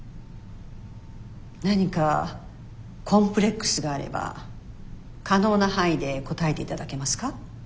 何かコンプレックスがあれば可能な範囲で答えて頂けますか。